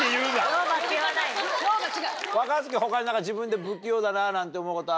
若槻他に何か自分で不器用だななんて思うことある？